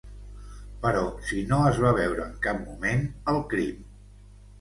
Però si no es va veure en cap moment, el crim.